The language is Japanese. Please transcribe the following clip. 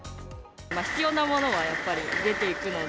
必要なものはやっぱり、出ていくので、